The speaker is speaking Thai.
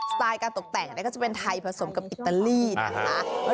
ไตล์การตกแต่งก็จะเป็นไทยผสมกับอิตาลีนะคะ